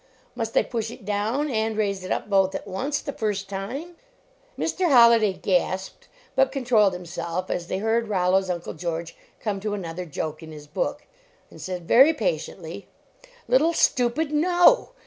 Must I push it down and raise it up both at once, the first time? " Mr. Holliday gasped, but controlled him self as they heard Rollo s Uncle George come to another joke in his book, and said, very patiently : "Little stupid! No!